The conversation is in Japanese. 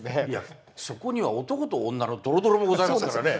そこには男と女のドロドロもございますからね。